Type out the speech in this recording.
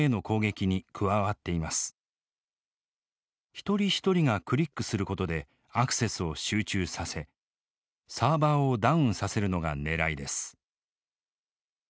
一人一人がクリックすることでアクセスを集中させサーバーをダウンさせるのがねらいです。